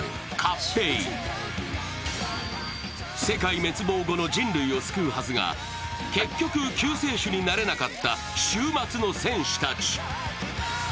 世界滅亡後の人類を救うはずが救世主になれなかった終末の戦士たち。